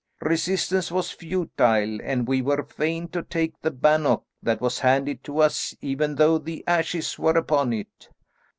Resistance was futile, and we were fain to take the bannock that was handed to us, even though the ashes were upon it.